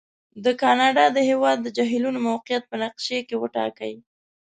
د کاناډا د هېواد د جهیلونو موقعیت په نقشې کې وټاکئ.